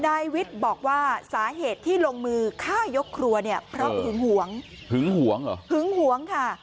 นายวิทย์บอกว่าสาเหตุที่ลงมือฆ่ายกครัวเนี่ยเพราะหึงหวงหึงหวงเหรอหึงหวงค่ะ